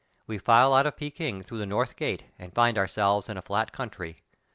We file out of Pekin through the north gate and find ourselves in a flat country.